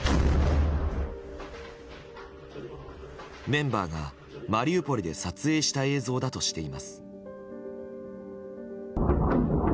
メンバーがマリウポリで撮影した映像だとしています。